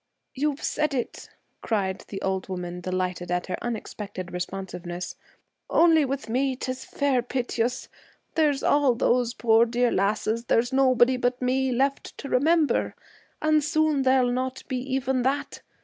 'You've said it!' cried the old woman, delighted at her unexpected responsiveness. 'Only with me, 'tis fair pit'yus. There's all those poor dear lasses there's nobody but me left to remember, and soon there'll not be even that.